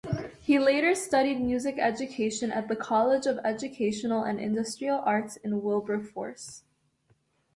He later studied music education at the College of Educational and Industrial Arts in Wilberforce.